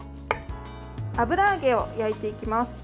油揚げを焼いていきます。